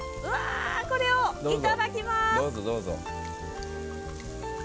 これをいただきます。